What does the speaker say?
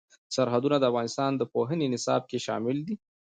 سرحدونه د افغانستان د پوهنې نصاب کې شامل دي.